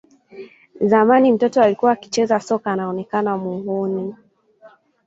Zamani mtoto alikuwa akicheza soka anaonekana mhuni